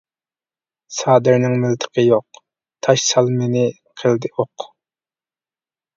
سادىرنىڭ مىلتىقى يوق، تاش-سالمىنى قىلدى ئوق.